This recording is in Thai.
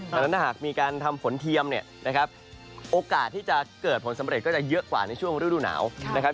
ดังนั้นถ้าหากมีการทำฝนเทียมเนี่ยนะครับโอกาสที่จะเกิดผลสำเร็จก็จะเยอะกว่าในช่วงฤดูหนาวนะครับ